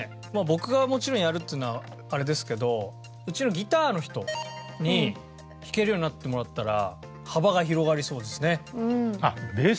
僕がもちろんやるっていうのはあれですけどうちのギターの人に弾けるようになってもらったら幅が広がりそうですね。